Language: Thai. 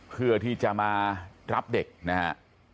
เพื่อที่จะมารับเด็กนะฮะ